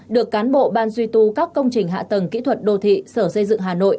được cán bộ ban duy tu các công trình hạ tầng kỹ thuật đô thị sở xây dựng hà nội